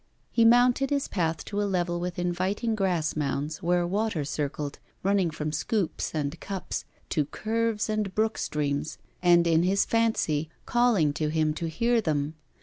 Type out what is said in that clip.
He mounted his path to a level with inviting grassmounds where water circled, running from scoops and cups to curves and brook streams, and in his fancy calling to him to hear them.